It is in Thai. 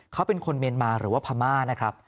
เขาเป็นคนเมียนมาหรือว่าพม่านะครับ